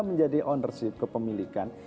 menjadi ownership ke pemilikan